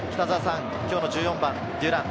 今日の１４番デュラン。